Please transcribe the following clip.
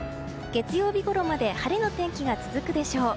月曜日ごろまで晴れの天気が続くでしょう。